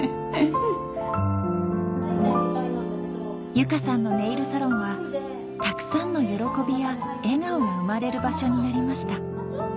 由佳さんのネイルサロンはたくさんの喜びや笑顔が生まれる場所になりました